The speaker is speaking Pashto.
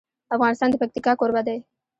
افغانستان د پکتیکا کوربه دی.